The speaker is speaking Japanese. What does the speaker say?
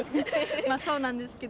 まぁそうなんですけど。